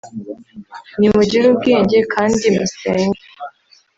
nimugire ubwenge kandi musenge